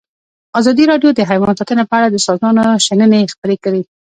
ازادي راډیو د حیوان ساتنه په اړه د استادانو شننې خپرې کړي.